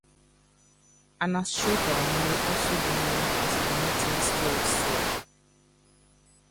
An astragal may also be known as a "meeting stile seal".